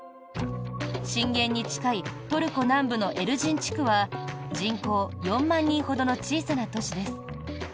震源に近いトルコ南部のエルジン地区は人口４万人ほどの小さな都市です。